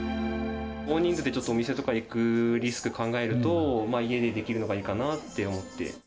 大人数でちょっとお店とかに行くリスク考えると、家でできるのがいいかなと思って。